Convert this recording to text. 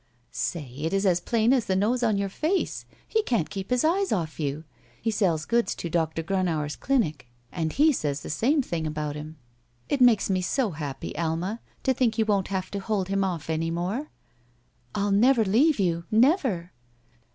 Say, it is as plain as the nose on your face. He can't keep his eyes off you. He sells goods to Doctor Gronauer's clinic and he says the same thing about him. It makes me so happy. Alma, to think you won't have to hold him off any more." '* I'll never leave you. Never